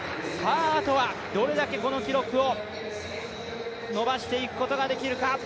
あとはどれだけこの記録を伸ばしていくことができるか。